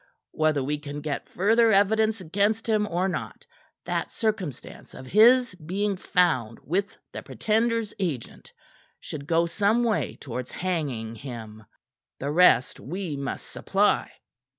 Whether we can get further evidence against him or not, that circumstance of his being found with the Pretender's agent should go some way towards hanging him. The rest we must supply."